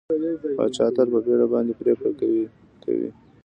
پاچا تل په بېړه باندې پرېکړه کوي کوي.